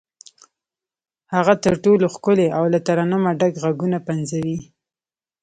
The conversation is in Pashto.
هغه تر ټولو ښکلي او له ترنمه ډک غږونه پنځوي.